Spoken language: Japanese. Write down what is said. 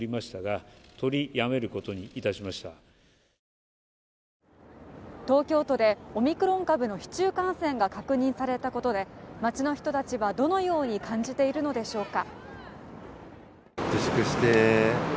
夕方、岸田総理は東京都でオミクロン株の市中感染が確認されたことで、街の人たちはどのように感じているのでしょうか？